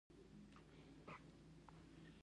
هره تجربه راباندې وشوه.